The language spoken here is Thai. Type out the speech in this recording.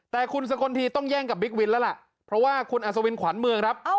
แต่คุณสกลทีต้องแย่งกับบิ๊กวินแล้วล่ะเพราะว่าคุณอัศวินขวัญเมืองครับ